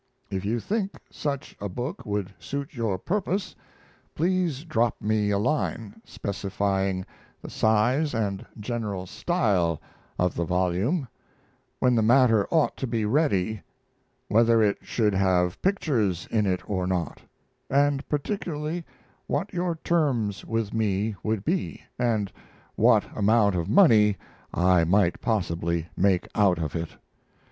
If you think such a book would suit your purpose, please drop me a line, specifying the size and general style of the volume when the matter ought to be ready; whether it should have pictures in it or not; and particularly what your terms with me would be, and what amount of money I might possibly make out of it.